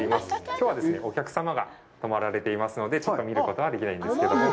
きょうはお客様が泊まられていますので、ちょっと見ることはできないんですけども。